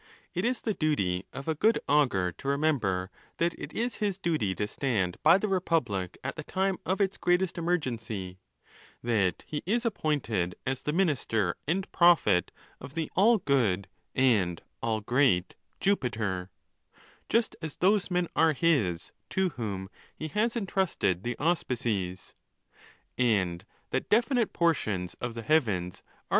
It is the duty of a good augur to remember, that it is his duty to stand by the republic at the time of its greatest emergency; that he is appointed as the minister and prophet of the all good and all great Jupiter, just as those men are his to whom he has entrusted the auspices; and that definite portions of the heavens are ON THE LAWS.